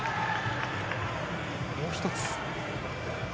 もう一つ。